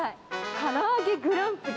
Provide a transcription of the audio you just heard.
唐揚げグランプリ